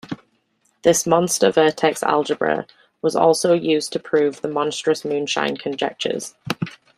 This monster vertex algebra was also used to prove the monstrous moonshine conjectures.